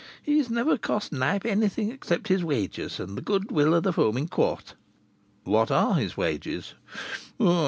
He's never cost Knype anything except his wages and the goodwill of the Foaming Quart." "What are his wages?"